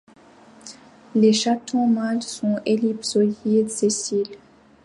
Les chatons mâles sont ellipsoïdes, sessiles.